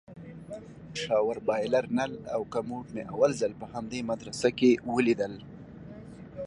شاور بايلر نل او کموډ مې اول ځل په همدې مدرسه کښې وليدل.